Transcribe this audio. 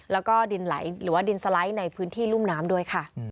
แล้วก็ดินไหลหรือว่าดินสไลด์ในพื้นที่รุ่มน้ำด้วยค่ะ